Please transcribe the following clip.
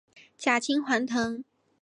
假青黄藤